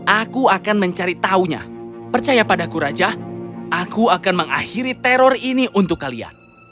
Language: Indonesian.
aku akan mencari tahunya percaya padaku raja aku akan mengakhiri teror ini untuk kalian